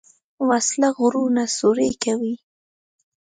وسله غرونه سوری کوي